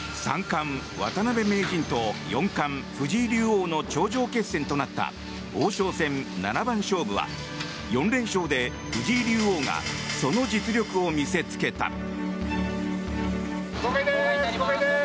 三冠・渡辺名人と四冠・藤井竜王の頂上決戦となった王将戦七番勝負は４連勝で藤井竜王がその実力を見せつけた。